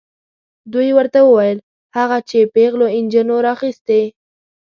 دوی ورته وویل هغه چې پیغلو نجونو راخیستې.